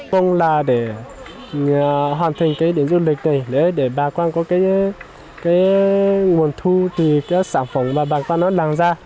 công là để hoàn thành cái điểm du lịch này để bà con có cái nguồn thu thì các sản phẩm mà bà con nó làm ra